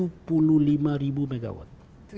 megawatt tujuh puluh lima ribu megawatt